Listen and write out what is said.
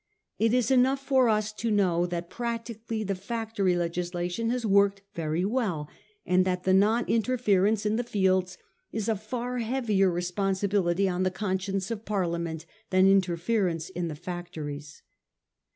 It is enough for us to know that practically the factory legislation has worked very well ; and that the non interference in S08 A HISTOEY OF OTJE OWN TIMES. oh. xnr. the fields is a far heavier responsibility on the con science of Parliament than interference in the factories.